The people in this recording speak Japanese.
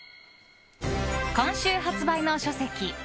今週発売の書籍